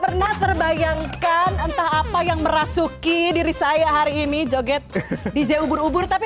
pernah terbayangkan entah apa yang merasuki diri saya hari ini joget dj ubur ubur tapi